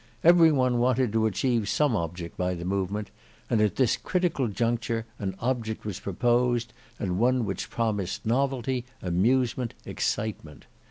Every one wanted to achieve some object by the movement; and at this critical juncture an object was proposed, and one which promised novelty, amusement, excitement.